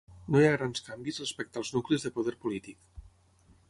No hi ha grans canvis respecte als nuclis de poder polític.